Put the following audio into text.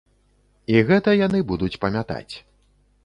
І гэта яны будуць памятаць.